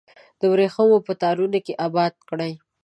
د وریښمو په تارونو کې اباد کړي